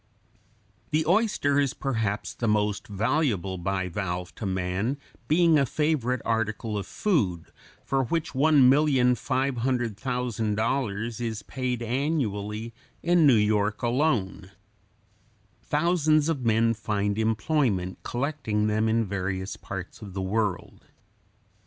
] The oyster is perhaps the most valuable bivalve to man, being a favorite article of food, for which $1,500,000 is paid annually in New York alone. Thousands of men find employment collecting them in various parts of the world.